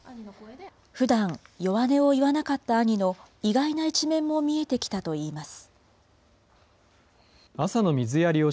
ふだん弱音を言わなかった兄の意外な一面も見えてきたといいます。